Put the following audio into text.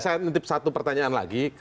saya titip satu pertanyaan lagi